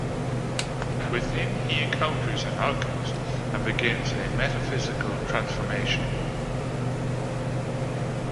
Within he encounters an Alchemist, and begins a metaphysical transformation.